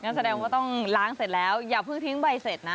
แสดงว่าต้องล้างเสร็จแล้วอย่าเพิ่งทิ้งใบเสร็จนะ